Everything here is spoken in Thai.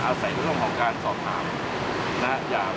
เจ้าที่ที่ไปตรวจสอบก็ต้องเอาใส่ห้องการสอบถาม